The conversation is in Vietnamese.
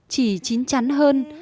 chỉ chính chắn hơn